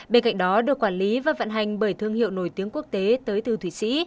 bên cạnh đó được quản lý và vận hành bởi thương hiệu nổi tiếng quốc tế tới từ thủy sĩ